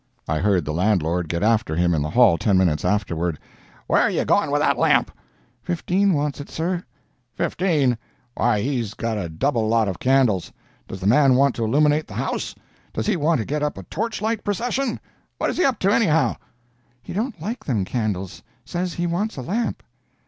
I heard the landlord get after him in the hall ten minutes afterward. "Where are you going with that lamp?" "Fifteen wants it, sir." "Fifteen! why he's got a double lot of candles—does the man want to illuminate the house?—does he want to get up a torchlight procession?—what is he up to, anyhow?" "He don't like them candles—says he wants a lamp."